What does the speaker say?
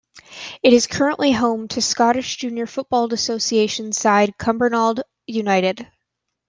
It is currently home to Scottish Junior Football Association side Cumbernauld United.